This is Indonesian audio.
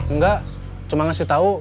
nggak cuma ngasih tahu